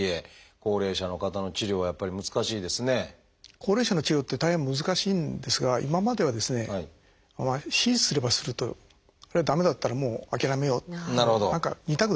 高齢者の治療って大変難しいんですが今まではですね手術すればするとあるいは駄目だったらもう諦めようと何か２択だったんですね。